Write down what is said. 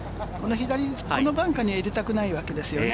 このバンカーには入れたくないわけですよね。